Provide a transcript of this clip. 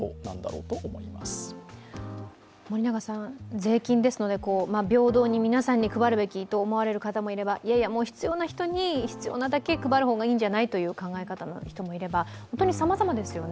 税金ですので平等に皆さんに配るべきと思われる方もいればもう必要な人に必要なだけ配る方がいいんじゃないという考え方の人もいれば本当にさまざまですよね。